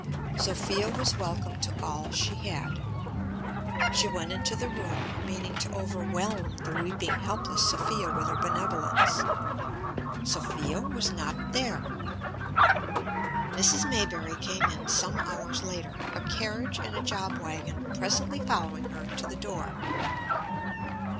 Sophia was welcome to all she had. She went into the room, meaning to overwhelm the weeping, helpless Sophia with her benevolence. Sophia was not there. Mrs. Maybury came in some hours later, a carriage and a job wagon presently following her to the door.